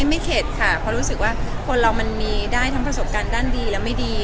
เข็ดค่ะเพราะรู้สึกว่าคนเรามันมีได้ทั้งประสบการณ์ด้านดีและไม่ดี